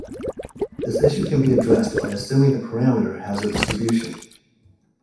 This issue can be addressed by assuming the parameter has a distribution.